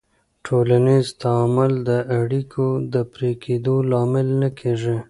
ټولنیز تعامل د اړیکو د پرې کېدو لامل نه کېږي.